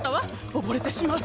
おぼれてしまう。